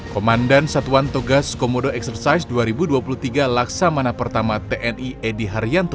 komandan satuan togas komodo eksersais dua ribu dua puluh tiga laksamana pertama tni edy haryana